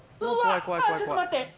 あぁちょっと待って。